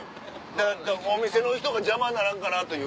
ただお店の人が邪魔にならんかなという。